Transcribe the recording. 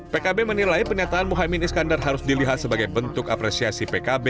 pkb menilai pernyataan muhaymin iskandar harus dilihat sebagai bentuk apresiasi pkb